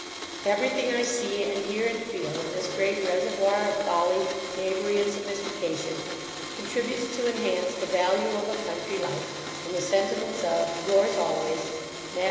Every thing I see, and hear, and feel, in this great reservoir of folly, knavery, and sophistication, contributes to inhance the value of a country life, in the sentiments of Yours always, MATT.